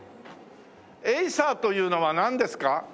エイサーというのはなんですか？